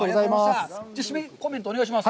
締めコメントをお願いします。